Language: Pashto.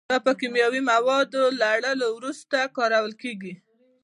دا پر کیمیاوي موادو له لړلو وروسته کارول کېږي.